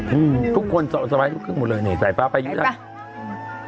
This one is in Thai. อืมทุกคนสไพรส์ลูกครึ่งหมดเลยนี่สไฟฟ้าไปอยู่ด้านไปป่ะ